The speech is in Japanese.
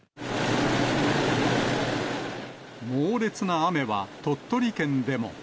猛烈な雨は鳥取県でも。